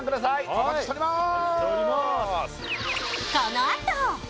お待ちしております